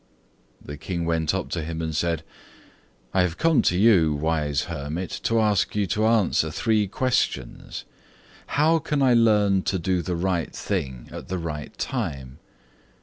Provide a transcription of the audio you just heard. The King went up to him and said: "I have come to you, wise hermit, to ask you to answer three questions: How can I learn to do the right thing at the right time?